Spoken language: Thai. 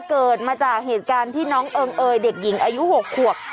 เกิดมาจากเหตุการณ์ที่น้องเอิงเอยเด็กหญิงอายุ๖ขวบ